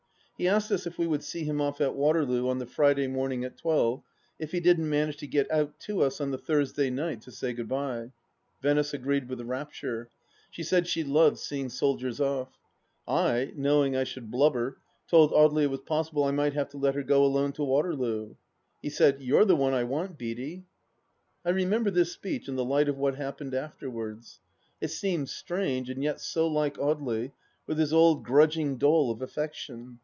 He asked us if we would see him off at Waterloo on the Friday morning at twelve, if he didn't manage to get out to us on the Thursday night, to say good bye 1 Venice agreed with rapture ; she said she loved seeing soldiers off. I, knowing I should blubber, told Audely it was possible I might have to let her go alone to Waterloo. He said :" You're the one I want, Beaty !" I remember this speech in the light of what happened afterwards. It seems strange, and yet so like Audely, with his old grudging dole of affection.